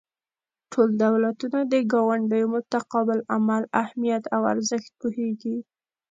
ټول دولتونه د ګاونډیو متقابل عمل اهمیت او ارزښت پوهیږي